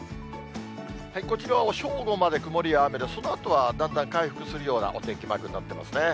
こちらは正午まで曇りや雨、そのあとはだんだん回復するようなお天気マークになってますね。